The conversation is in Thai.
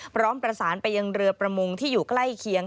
พร้อมประสานไปยังเรือประมงที่อยู่ใกล้เคียง